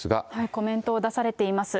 コメントを出されています。